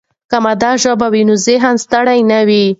که مادي ژبه وي، نو ذهن ستړي نه وي.